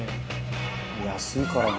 「安いからな」